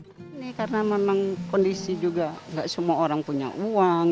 ini karena memang kondisi juga gak semua orang punya uang